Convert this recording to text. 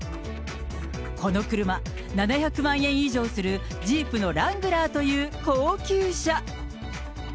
この車、７００万円以上するジープのラングラーという高級車。